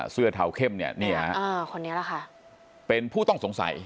เสื้อเทาเข้มเนี่ยเป็นผู้ต้องสงสัย